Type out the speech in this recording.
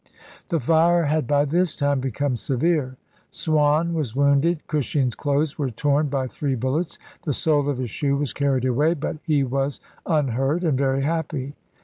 The fire had by this time become severe ; Swan was wounded ; Cushing's clothes were torn by three bullets ; the sole of his shoe was carried away, but he was unhurt and very happy.